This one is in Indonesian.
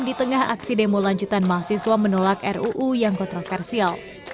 di tengah aksi demo lanjutan mahasiswa menolak ruu yang kontroversial